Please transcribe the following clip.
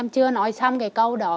em chưa nói xong cái câu đó